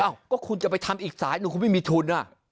อ้าวมั้ยคุณจะไปทำอีกสายนึงคุณไม่มีทุน